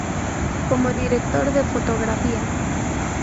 Como director de fotografía